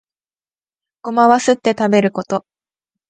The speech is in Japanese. ゴマはすって食べること